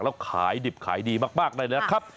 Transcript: แล้วขายดิบขายดีมากได้นะครับ